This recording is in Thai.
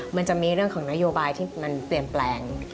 มันจะมีเรื่องของนโยบายที่มันเปลี่ยนแปลง